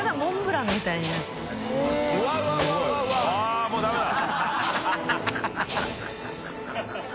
あっもうダメだ！